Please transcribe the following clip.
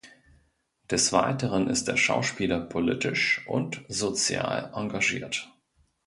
Des Weiteren ist der Schauspieler politisch und sozial engagiert.